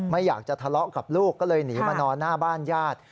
ไม่อยากจะทะเลาะกับลูกก็เลยหนีมานอนหน้าบ้านญาติ